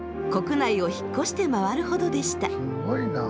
国内を引っ越して回るほどでした。